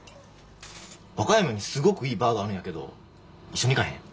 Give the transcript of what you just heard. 和歌山にすごくいいバーがあるんやけど一緒に行かへん？